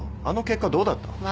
あの結果どうだった？